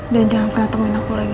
dan jangan pernah temen aku lagi